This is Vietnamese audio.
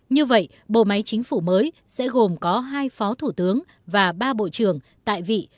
như vậy bộ máy chính phủ mới sẽ gồm có hai phó thủ tướng và ba bộ trưởng tại vị